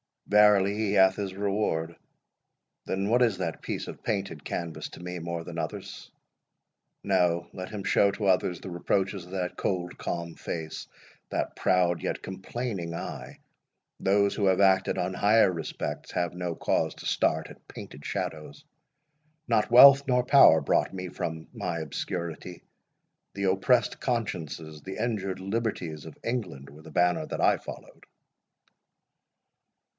Verily he hath his reward: Then, what is that piece of painted canvas to me more than others? No; let him show to others the reproaches of that cold, calm face, that proud yet complaining eye: Those who have acted on higher respects have no cause to start at painted shadows. Not wealth nor power brought me from my obscurity. The oppressed consciences, the injured liberties of England, were the banner that I followed."